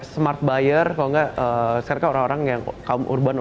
smart buyer kalau enggak sekarang kan orang orang yang kaum urban